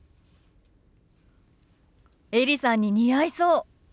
エリさんに似合いそう。